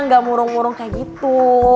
nggak murung murung kayak gitu